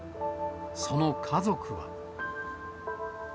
その家族は。